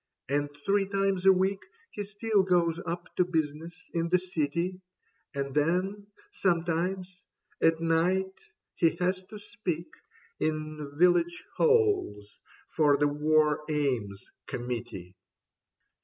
And three times a week He still goes up to business in the City ; And then, sometimes, at night he has to speak In Village Halls for the War Aims Committee."